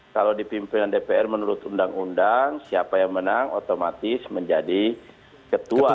kalau di pimpinan dpr menurut undang undang siapa yang menang otomatis menjadi ketua